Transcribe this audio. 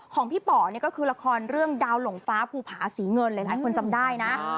ของพี่ป่อนี่ก็คือละครเรื่องดาวหลงฟ้าภูผาศรีเงินหลายคนจำได้นะ